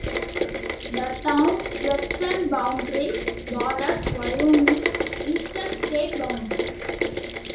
The town's western boundary borders Wyoming's eastern state boundary.